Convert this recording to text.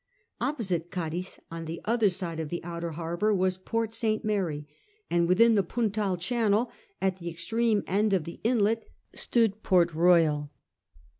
Opposite Cadiz, on the other side of the outer harbour, was Port St. Mary, and within the Puntal channel, at the extreme end of the inlet, stood Port Koyal.